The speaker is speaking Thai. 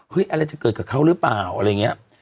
เฮ้ยอะไรจะเกิดกับเขาหรือเปล่า